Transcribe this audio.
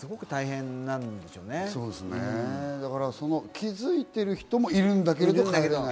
気付いてる人もいるんだけれど帰れない。